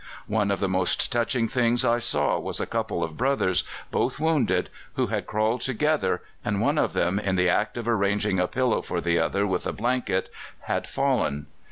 One of the most touching things I saw was a couple of brothers, both wounded, who had crawled together, and one of them, in the act of arranging a pillow for the other with a blanket, had fallen.